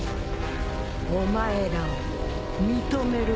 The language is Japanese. お前らを認めるよ。